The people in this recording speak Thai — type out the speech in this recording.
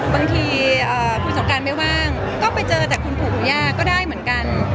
บางทีคุณสงการไม่ว่างก็ไปเจอแต่คุณปู่คุณย่าก็ได้เหมือนกัน